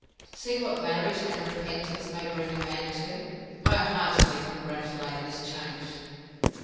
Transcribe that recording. —See what marriage and repentance may bring a man to! I heartily congratulate this change!